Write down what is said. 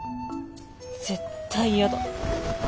絶対やだ。